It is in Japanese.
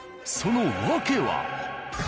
その訳は。